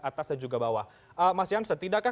atas dan juga bawah mas jansen tidakkah